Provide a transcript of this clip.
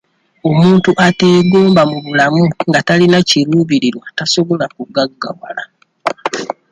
Omuntu ateegomba mu bulamu nga talina kiruubirirwa tasobola kugaggawala.